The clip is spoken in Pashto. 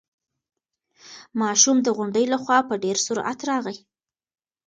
ماشوم د غونډۍ له خوا په ډېر سرعت راغی.